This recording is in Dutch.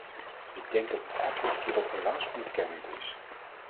Ik denk dat het antwoord hierop helaas ontkennend is.